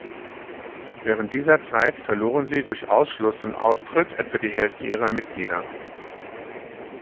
Während dieser Zeit verloren sie durch Ausschluss und Austritt etwa die Hälfte ihrer Mitglieder.